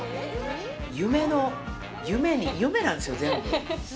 夢の、夢なんですよ、全部。